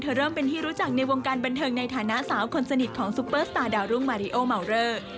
เริ่มเป็นที่รู้จักในวงการบันเทิงในฐานะสาวคนสนิทของซุปเปอร์สตาร์ดาวรุ่งมาริโอเมาเลอร์